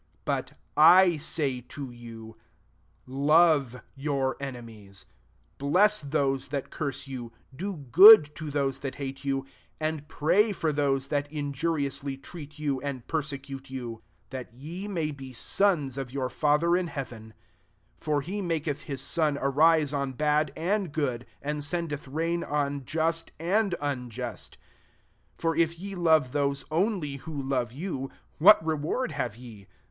44 But I say to you, Love your enemies^ [biese thotc tkat cur§e yov, do good to tho9e that Amte you,] and pray £»r those thai [injuriously treat you, a]id3 persecute you*: 45 that ye may be sons of your Father in heaven: for he maketfa his sun arise on bad and good, and sendeth rain on just and unjust. 46 For if ye love those only who love you, what reward have ye